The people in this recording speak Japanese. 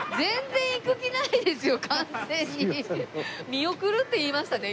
見送るって言いましたね